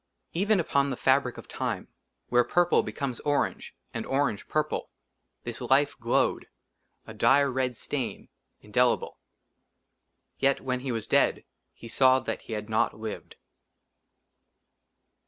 EVEN UPON THE FABRIC OF TIME, WHERE PURPLE BECOMES ORANGE AND ORANGE PURPLE, THIS LIFE GLOWED, A DIRE RED STAIN, INDELIBLE ; YET WHEN HE WAS DEAD, HE SAW THAT HE HAD NOT LIVED.